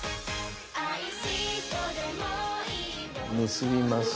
結びます。